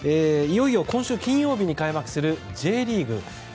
いよいよ今週金曜日に開幕するＪリーグ。